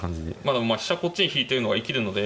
でもまあ飛車こっちに引いてるのが生きるので。